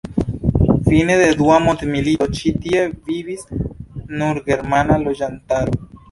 Fine de la dua mondmilito ĉi tie vivis nur germana loĝantaro.